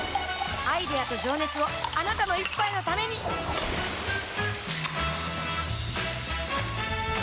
アイデアと情熱をあなたの一杯のためにプシュッ！